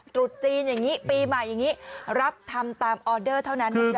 ตรุษจีนอย่างนี้ปีใหม่อย่างนี้รับทำตามออเดอร์เท่านั้นนะจ๊